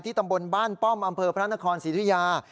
ตำบลบ้านป้อมอำเภอพระนครศรีธุยา